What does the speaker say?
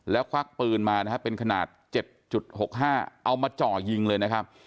แล้วควักปืนมานะฮะเป็นขนาด๗๖๕เอามาจ่อยิงเลยนะครับ